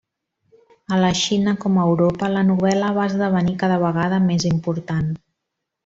A la Xina, com a Europa, la novel·la va esdevenir cada vegada més important.